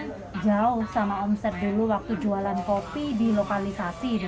saya jauh sama omset dulu waktu jualan kopi di lokalisasi